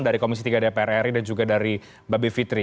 dari komisi tiga dpr ri dan juga dari mbak bivitri